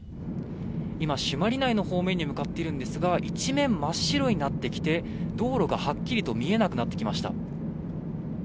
今、朱鞠内の方面に向かっているんですが一面真っ白になってきて道路がはっきりと見えなくなってきました。